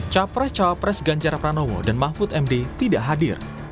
capres cawapres ganjar pranowo dan mahfud md tidak hadir